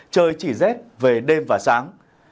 trời chỉ rét về đêm và sáng